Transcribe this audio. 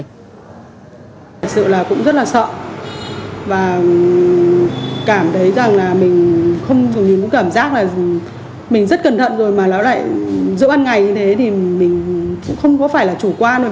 thật sự là cũng rất là sợ và cảm thấy rằng là mình không dùng những cảm giác là mình rất cẩn thận rồi mà nó lại dẫu ăn ngày như thế thì mình cũng không có phải là chủ quan